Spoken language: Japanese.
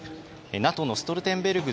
ＮＡＴＯのストルテンベルグ